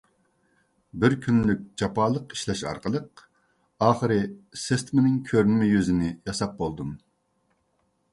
بىر كۈنلۈك جاپالىق ئىشلەش ئارقىلىق ئاخىرى سىستېمىنىڭ كۆرۈنمە يۈزىنى ياساپ بولدۇم.